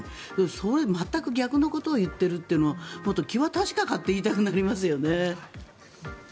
それ、全く逆のことを言っているというのは気は確かかと言いたくなりますよね。